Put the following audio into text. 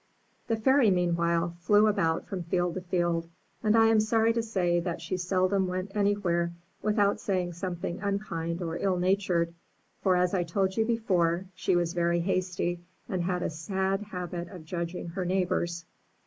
The Fairy, meanwhile, flew about from field to field, and I am sorry to say that she seldom went anywhere without saying something unkind or ill natured; for, as I told you before, she was very hasty, and had a sad habit of judging her neighbors.